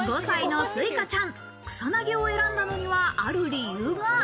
５歳の翠花ちゃん、草薙を選んだのには、ある理由が。